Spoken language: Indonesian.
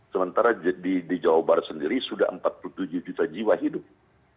sementara di jawa barat sendiri sudah empat puluh tujuh juta jiwa hidup